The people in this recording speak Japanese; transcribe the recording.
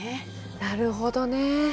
なるほどね。